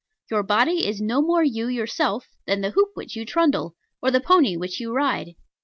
Your body is no more you yourself than the hoop which you trundle, or the pony which you ride.